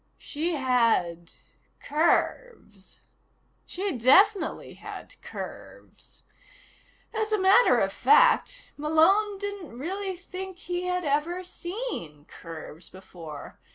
She had curves. She definitely had curves. As a matter of fact, Malone didn't really think he had ever seen curves before.